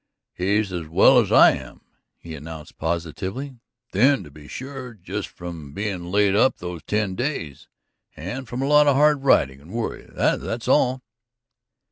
"He's as well as I am," he announced positively. "Thin, to be sure, just from being laid up those ten days. And from a lot of hard riding and worry. That's all."